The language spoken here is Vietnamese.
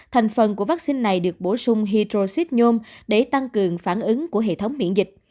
thành phần của vaccine này được bổ sung hitrocid nhôm để tăng cường phản ứng của hệ thống miễn dịch